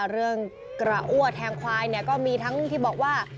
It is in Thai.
เรื่องกระอ้วแทงควายก็มีทั้งที่บอกว่า